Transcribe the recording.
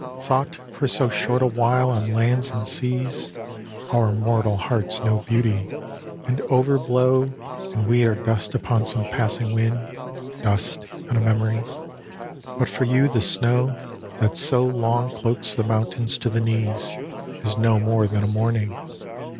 " Thought for so short a while on lands and seas Our mortal hearts know beauty, and overblow, And we are dust upon some passing wind. Dust and a memory. But for you the snow That so long cloaks the mountains to the knees Is no more than a morning.